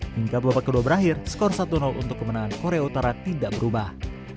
hingga babak kedua berakhir skor satu untuk kemenangan korea utara tidak berubah